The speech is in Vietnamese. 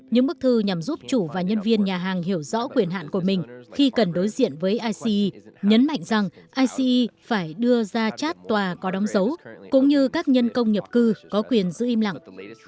những bức thư nhằm giúp chủ và nhân viên nhà hàng hiểu rõ quyền hạn của mình khi cần đối diện với ice nhấn mạnh rằng ice phải đưa ra chát tòa có đóng dấu cũng như các nhân công nhập cư có quyền giữ im lặng